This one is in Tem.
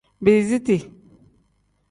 Biiziti.